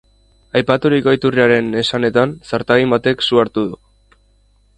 Aipaturiko iturriaren esanetan, zartagin batek su hartu du.